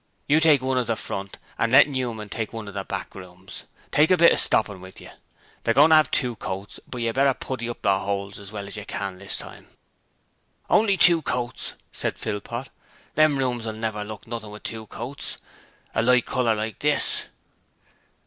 You take one of the front and let Newman take one of the back rooms. Take a bit of stoppin' with you: they're goin' to 'ave two coats, but you'd better putty up the 'oles as well as you can, this time.' 'Only two coats!' said Philpot. 'Them rooms will never look nothing with two coats a light colour like this.'